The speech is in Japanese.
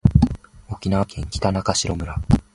沖縄県北中城村